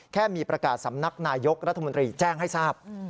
แค่มีประกาศสำนักนายกรัฐมนตรีแจ้งให้ทราบ